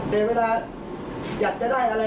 แต่เวลาอยากจะได้อะไร